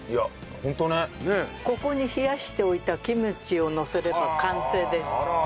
ここに冷やしておいたキムチをのせれば完成です。